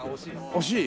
惜しい？